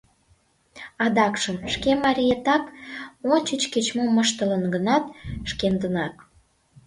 Адакшым шке мариетак, ончыч кеч-мом ыштылын гынат, шкендынак.